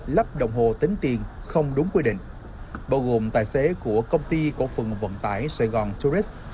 lắp đồng hồ tính tiền không đúng quy định bao gồm tài xế của công ty cổ phần vận tải sài gòn tourist